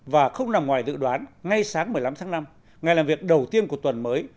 và không nằm ngoài dự đoán ngay sáng một mươi năm tháng năm ngày làm việc đầu tiên của tuần mới